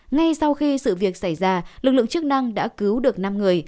ngay sau khi sự việc xảy ra lực lượng chức năng đã cứu được năm người